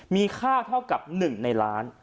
มีค่าเท่ากับ๑ในล้าน